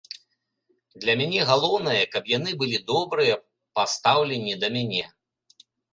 Для мяне галоўнае, каб яны былі добрыя па стаўленні да мяне.